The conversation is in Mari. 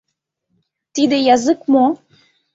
Тиде язык мо?